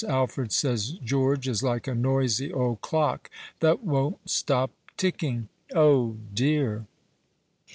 Alfred says George is " like a noisy old clock that won't stop ticking." Oh dear